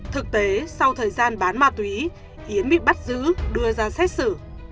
thực tế sau thời gian bán ma túy yến bị bắt giữ đưa ra xét xử